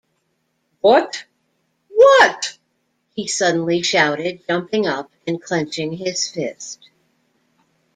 “What — what!” he suddenly shouted, jumping up and clenching his fist.